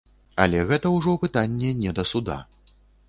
Але гэта ўжо пытанне не да суда.